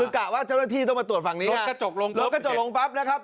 กะว่าเจ้าหน้าที่ต้องมาตรวจฝั่งนี้รถกระจกลงปับ